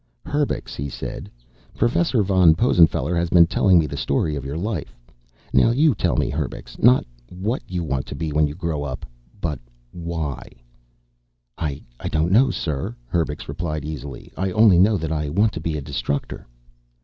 "Herbux," he said, "Professor von Possenfeller has been telling me the story of your life. Now you tell me, Herbux. Not what you want to be when you grow up, but why." "I don't know why, sir," Herbux replied easily. "I only know that I want to be a Destructor."